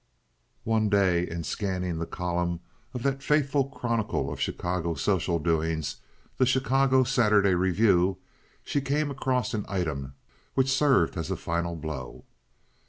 One day, in scanning the columns of that faithful chronicle of Chicago social doings, the Chicago Saturday Review, she came across an item which served as a final blow.